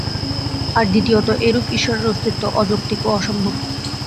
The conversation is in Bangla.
আর দ্বিতীয়ত এইরূপ ঈশ্বরের অস্তিত্ব অযৌক্তিক ও অসম্ভব।